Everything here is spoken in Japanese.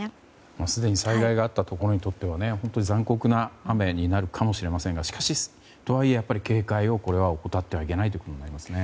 すでに災害があったところにとっては本当に残酷な雨になるかもしれませんがしかし、とはいえ警戒を怠ってはいけないですね。